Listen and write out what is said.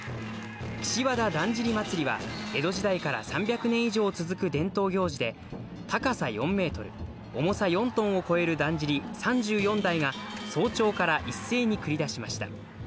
岸和田だんじり祭は、江戸時代から３００年以上続く伝統行事で、高さ４メートル、重さ４トンを超えるだんじり３４台が、早朝から一斉に繰り出しました。